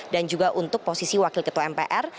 dan juga untuk posisi wakil ketua mpr